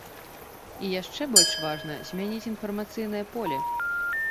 І яшчэ больш важна змяніць інфармацыйнае поле.